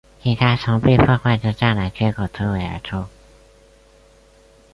警察从被破坏之栅栏缺口突围而出